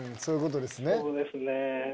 そういうことですね。